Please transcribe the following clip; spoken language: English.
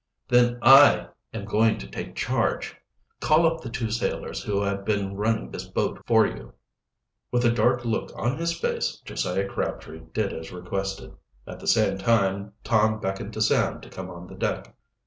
"Then I am going to take charge. Call up the two sailors who have been running this boat for you." With a dark look on his face Josiah Crabtree did as requested. At the same time Tom beckoned to Sam to come on the deck.